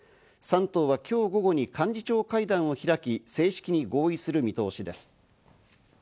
３党は今日午後に幹事長会談を開き、正式に合意する見通しです。